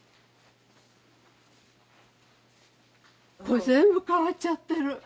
これ全部変わっちゃってる色が。